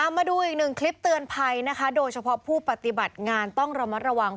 มาดูอีกหนึ่งคลิปเตือนภัยนะคะโดยเฉพาะผู้ปฏิบัติงานต้องระมัดระวัง